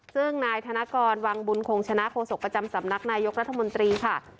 ซึ่งนายธนกรวังบุญคงชนะโฆษกประจำสำนักนายกรัฐมนตรีค่ะ